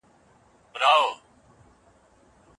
د ښوونځیو د مدیرانو ترمنځ د تجربو تبادله نه وه.